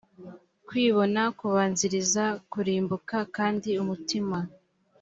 kwibona kubanziriza kurimbuka kandi umutima